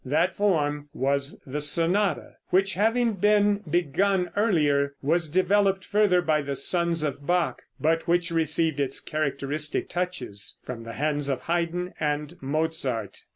That form was the Sonata, which having been begun earlier, was developed further by the sons of Bach, but which received its characteristic touches from the hands of Haydn and Mozart.